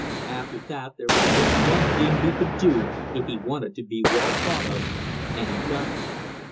After that there was just one thing he could do if he wanted to be well thought of, and he done it.